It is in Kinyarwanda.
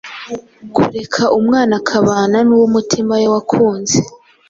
kureka umwana akabana n’uwo umutima we wakunze.